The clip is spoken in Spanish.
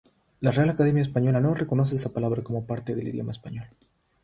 La Real Academia Española no reconoce esta palabra como parte del idioma español.